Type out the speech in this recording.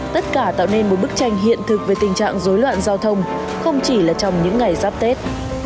tất cả tạo nên một bức tranh hiện thực về tình trạng dối loạn giao thông không chỉ là trong những ngày giáp tết